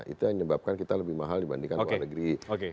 itu yang menyebabkan kita lebih mahal dibandingkan pemerintah